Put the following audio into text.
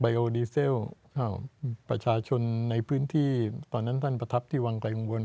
โอดีเซลประชาชนในพื้นที่ตอนนั้นท่านประทับที่วังไกลกังวล